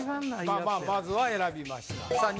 まあまあまずは選びましたさあ